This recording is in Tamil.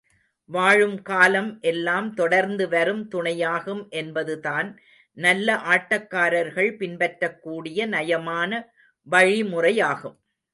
வாழும் காலம் எல்லாம் தொடர்ந்து வரும் துணையாகும் என்பதுதான் நல்ல ஆட்டக்காரர்கள் பின்பற்றக்கூடிய நயமான வழிமுறையாகும்.